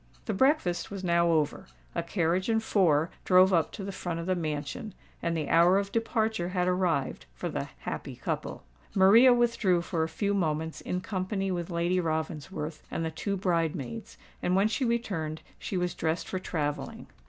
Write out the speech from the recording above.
The breakfast was now over; a carriage and four drove up to the front of the mansion; and the hour of departure had arrived for the "happy couple." Maria withdrew for a few moments in company with Lady Ravensworth and the two bridemaids and when she returned she was dressed for travelling.